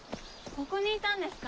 ここにいたんですか。